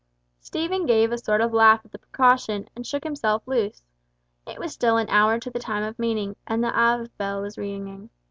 Stephen gave a sort of laugh at the precaution, and shook himself loose. It was still an hour to the time of meeting, and the Ave bell was ringing.